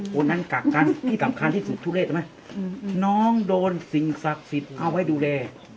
วันนั้นกักกันที่สำคัญที่สุดทุเลศไหมน้องโดนสิ่งศักดิ์สิทธิ์เอาไว้ดูแล